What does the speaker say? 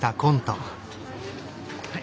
はい。